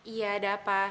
iya ada apa